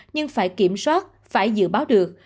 nhưng phải kiểm soát phải dự báo được